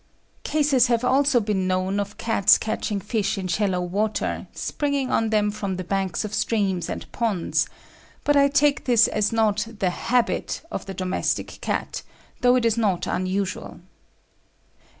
Cases have also been known of cats catching fish in shallow water, springing on them from the banks of streams and ponds; but I take this as not the habit of the domestic cat, though it is not unusual.